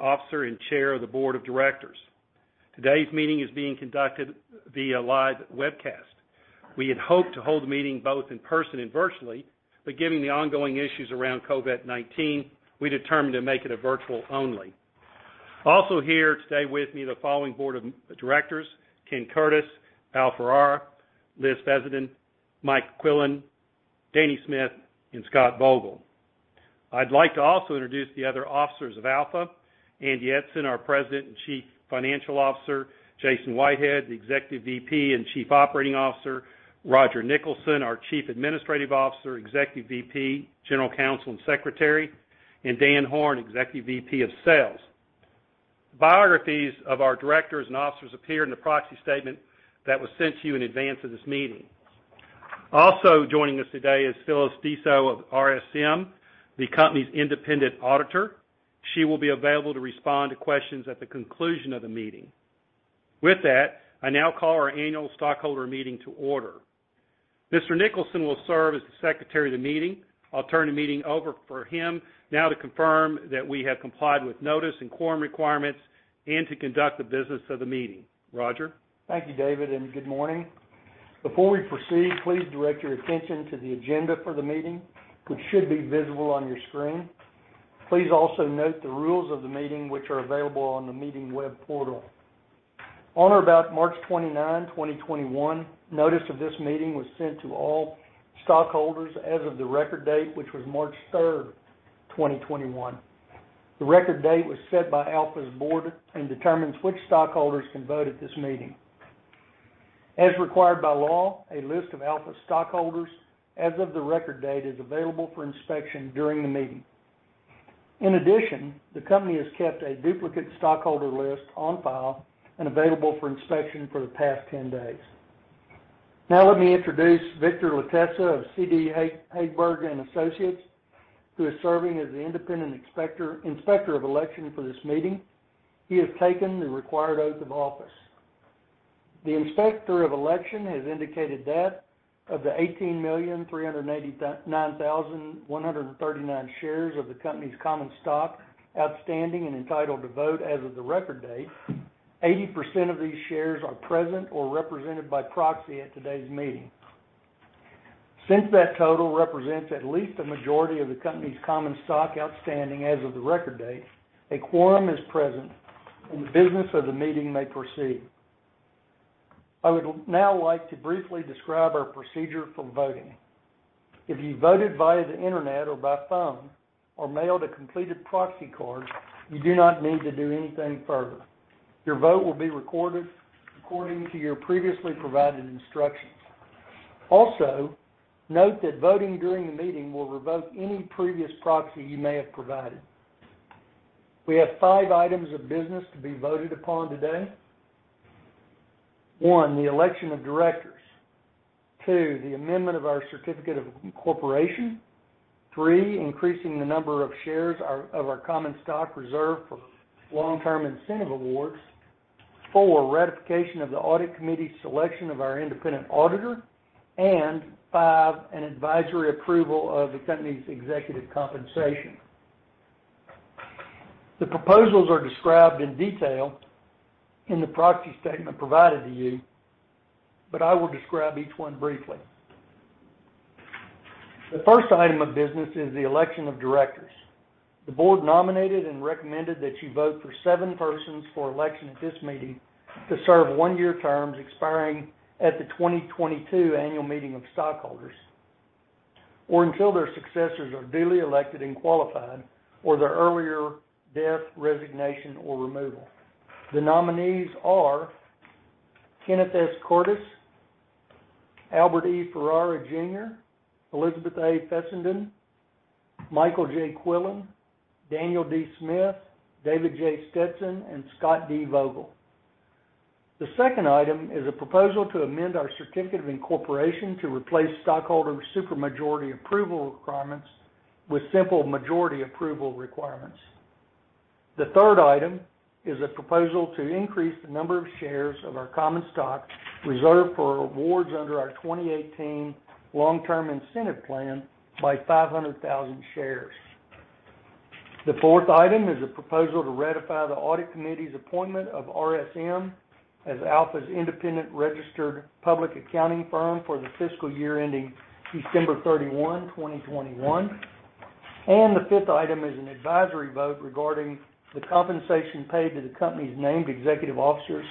Officer and Chair of the Board of Directors. Today's meeting is being conducted via live webcast. We had hoped to hold the meeting both in person and virtually, but given the ongoing issues around COVID-19, we determined to make it a virtual only. Also here today with me are the following Board of Directors: Ken Curtis, Albert Ferrara, Elizabeth Fesik, Michael Quillen, Daniel Smith, and Scott Vogel. I'd like to also introduce the other officers of Alpha Metallurgical Resources: Andy Eidson, our President and Chief Financial Officer; Jason Whitehead, the Executive VP and Chief Operating Officer; Roger Nicholson, our Chief Administrative Officer, Executive VP, General Counsel, and Secretary; and Dan Horn, Executive VP of Sales. The biographies of our Directors and Officers appear in the proxy statement that was sent to you in advance of this meeting. Also joining us today is Phyllis Disso of RSM, the company's independent auditor. She will be available to respond to questions at the conclusion of the meeting. With that, I now call our annual stockholder meeting to order. Mr. Nicholson will serve as the Secretary of the meeting. I'll turn the meeting over for him now to confirm that we have complied with notice and quorum requirements and to conduct the business of the meeting. Roger? Thank you, David, and good morning. Before we proceed, please direct your attention to the agenda for the meeting, which should be visible on your screen. Please also note the rules of the meeting, which are available on the meeting web portal. On or about March 29, 2021, notice of this meeting was sent to all stockholders as of the record date, which was March 3, 2021. The record date was set by Alpha's board and determines which stockholders can vote at this meeting. As required by law, a list of Alpha stockholders as of the record date is available for inspection during the meeting. In addition, the company has kept a duplicate stockholder list on file and available for inspection for the past 10 days. Now let me introduce Victor Lattessa of C.D. Hageberg & Associates, who is serving as the Independent Inspector of Election for this meeting. He has taken the required oath of office. The Inspector of Election has indicated that of the 18,389,139 shares of the company's common stock outstanding and entitled to vote as of the record date, 80% of these shares are present or represented by proxy at today's meeting. Since that total represents at least a majority of the company's common stock outstanding as of the record date, a quorum is present and the business of the meeting may proceed. I would now like to briefly describe our procedure for voting. If you voted via the internet or by phone or mailed a completed proxy card, you do not need to do anything further. Your vote will be recorded according to your previously provided instructions. Also, note that voting during the meeting will revoke any previous proxy you may have provided. We have five items of business to be voted upon today: 1. The election of Directors. 2. The amendment of our Certificate of Incorporation. 3. Increasing the number of shares of our common stock reserved for long-term incentive awards. 4. Ratification of the audit committee's selection of our independent auditor. 5. An advisory approval of the company's executive compensation. The proposals are described in detail in the proxy statement provided to you, but I will describe each one briefly. The first item of business is the election of Directors. The board nominated and recommended that you vote for seven persons for election at this meeting to serve one-year terms expiring at the 2022 annual meeting of stockholders or until their successors are duly elected and qualified or their earlier death, resignation, or removal. The nominees are Kenneth S. Curtis, Albert E. Ferrara Jr., Elizabeth A. Fesik, Michael J. Quillen, Daniel D. Smith, David J. Stetson, and Scott D. Vogel. The second item is a proposal to amend our Certificate of Incorporation to replace stockholder supermajority approval requirements with simple majority approval requirements. The third item is a proposal to increase the number of shares of our common stock reserved for awards under our 2018 long-term incentive plan by 500,000 shares. The fourth item is a proposal to ratify the audit committee's appointment of RSM as Alpha's independent registered public accounting firm for the fiscal year ending December 31, 2021. The fifth item is an advisory vote regarding the compensation paid to the company's named executive officers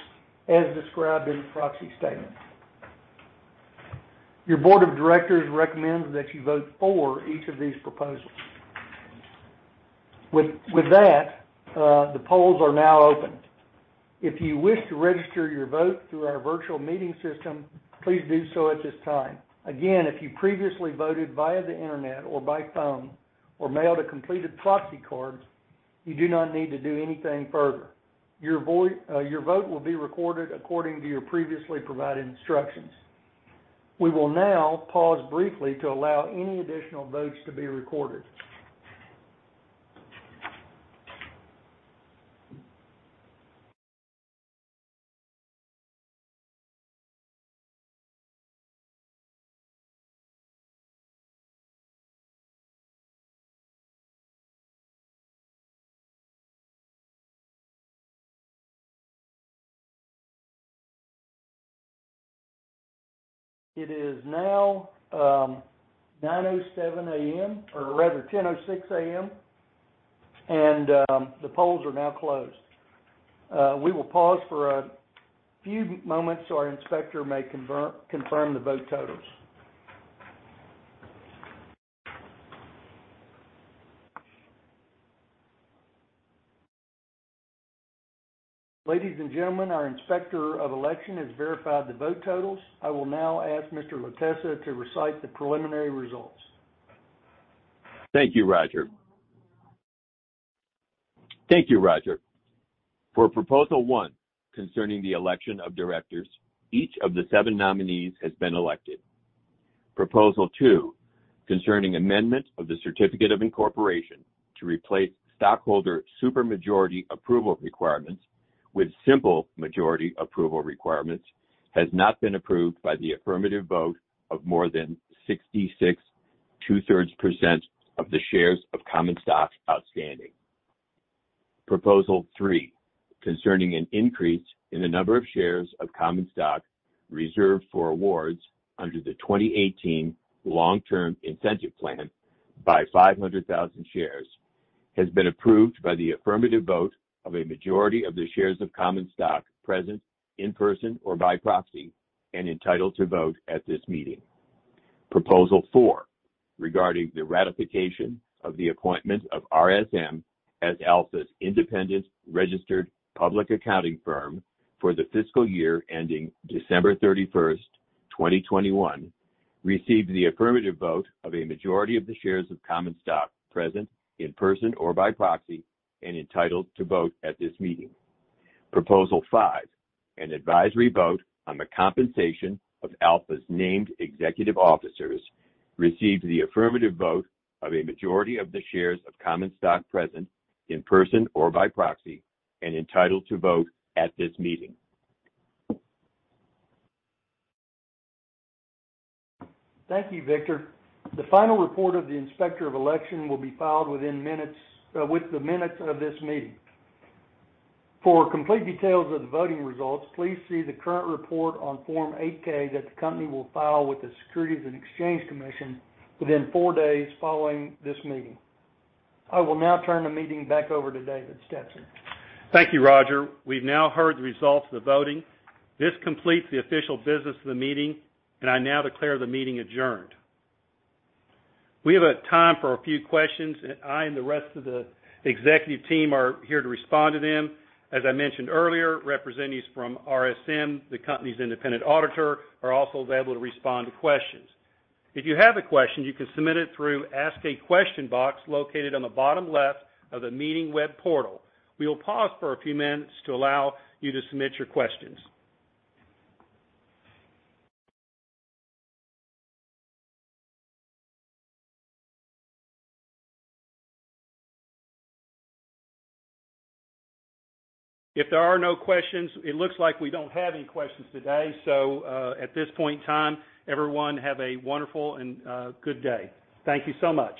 as described in the proxy statement. Your Board of Directors recommends that you vote for each of these proposals. With that, the polls are now open. If you wish to register your vote through our virtual meeting system, please do so at this time. If you previously voted via the internet or by phone or mailed a completed proxy card, you do not need to do anything further. Your vote will be recorded according to your previously provided instructions. We will now pause briefly to allow any additional votes to be recorded. It is now 10:06 A.M., and the polls are now closed. We will pause for a few moments so our inspector may confirm the vote totals. Ladies and gentlemen, our Inspector of Election has verified the vote totals. I will now ask Mr. Lattessa to recite the preliminary results. Thank you, Roger. For Proposal one, concerning the election of Directors, each of the seven nominees has been elected. Proposal two, concerning amendment of the Certificate of Incorporation to replace stockholder supermajority approval requirements with simple majority approval requirements, has not been approved by the affirmative vote of more than 66.25% of the shares of common stock outstanding. Proposal three, concerning an increase in the number of shares of common stock reserved for awards under the 2018 long-term incentive plan by 500,000 shares, has been approved by the affirmative vote of a majority of the shares of common stock present in person or by proxy and entitled to vote at this meeting. Proposal 4, regarding the ratification of the appointment of RSM as Alpha's independent registered public accounting firm for the fiscal year ending December 31, 2021, received the affirmative vote of a majority of the shares of common stock present in person or by proxy and entitled to vote at this meeting. Proposal five, an advisory vote on the compensation of Alpha's named executive officers, received the affirmative vote of a majority of the shares of common stock present in person or by proxy and entitled to vote at this meeting. Thank you, Victor. The final report of the Inspector of Election will be filed within minutes of this meeting. For complete details of the voting results, please see the current report on Form 8-K that the company will file with the Securities and Exchange Commission within four days following this meeting. I will now turn the meeting back over to David Stetson. Thank you, Roger. We've now heard the results of the voting. This completes the official business of the meeting, and I now declare the meeting adjourned. We have time for a few questions, and I and the rest of the executive team are here to respond to them. As I mentioned earlier, representatives from RSM, the company's independent auditor, are also available to respond to questions. If you have a question, you can submit it through the Ask a Question box located on the bottom left of the meeting web portal. We will pause for a few minutes to allow you to submit your questions. If there are no questions, it looks like we don't have any questions today, so at this point in time, everyone have a wonderful and good day. Thank you so much.